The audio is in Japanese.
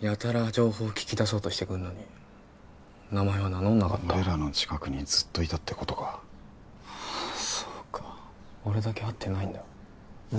やたら情報聞き出そうとしてくるのに名前は名乗んなかった俺らの近くにずっといたってことかそうか俺だけ会ってないんだで？